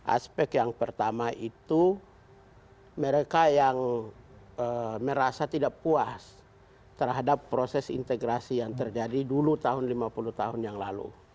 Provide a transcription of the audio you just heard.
aspek yang pertama itu mereka yang merasa tidak puas terhadap proses integrasi yang terjadi dulu tahun lima puluh tahun yang lalu